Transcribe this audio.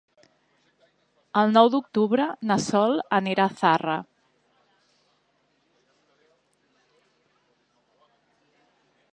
El nou d'octubre na Sol anirà a Zarra.